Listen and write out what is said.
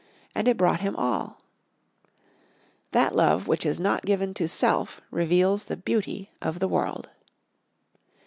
And it brought him all. That love which is not given to self reveals the beauty of the world.